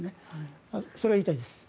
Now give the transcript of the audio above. それが言いたいです。